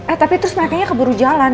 eh tapi terus mereka nya keburu jalan